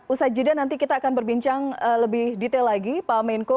usai jeda nanti kita akan berbincang lebih detail lagi pak menko